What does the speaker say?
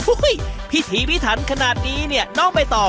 อุ๊ยพิธีพิธรรมขนาดนี้นอกไปต่อ